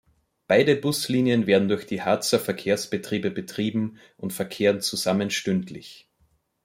Beide Buslinien werden durch die Harzer Verkehrsbetriebe betrieben und verkehren zusammen stündlich.